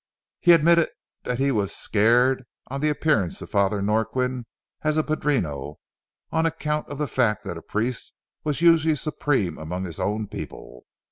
He admitted that he was scared on the appearance of Father Norquin as a padrino, on account of the fact that a priest was usually supreme among his own people.